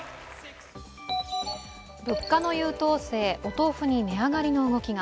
物価優等生、お豆腐に値上がりの動きが。